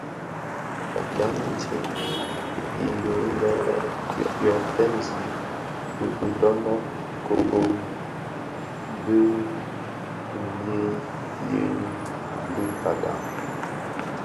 Gam intsem yödhi lè yo fènzi bidönög gom di niyeñi di badag.